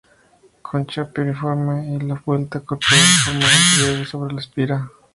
Concha piriforme y la vuelta corporal forma un pliegue sobre la espira.